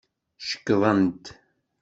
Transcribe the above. Cekḍent.